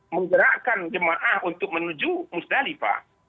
menggerakkan jemaah untuk menuju musdalifah